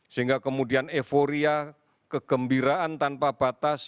sehingga kemudian euforia kegembiraan tanpa batas